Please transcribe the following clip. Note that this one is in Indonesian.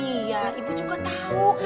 iya ibu juga tahu